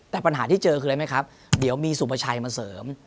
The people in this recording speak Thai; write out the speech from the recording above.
แต่ปัญหาที่เจอคืออะไรไหมครับเดี๋ยวมีสุภาชัยมาเสริม